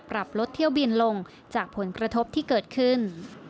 ปรับลดเที่ยวบินลงจากผลกระทบที่เกิดขึ้น